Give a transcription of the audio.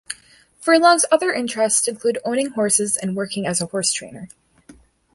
Furlong's other interests include owning horses and working as a horse trainer.